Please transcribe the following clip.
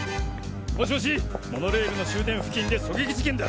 もしもしモノレールの終点付近で狙撃事件だ。